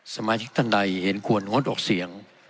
สมาชิกท่านใดเห็นควรงดออกเสียง